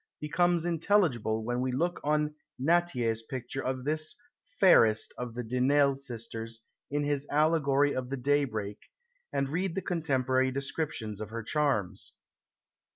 becomes intelligible when we look on Nattier's picture of this fairest of the de Nesle sisters in his "Allegory of the Daybreak," and read the contemporary descriptions of her charms.